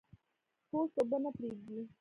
پوست اوبه نه پرېږدي.